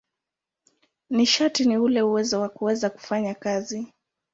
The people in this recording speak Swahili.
Nishati ni ule uwezo wa kuweza kufanya kazi.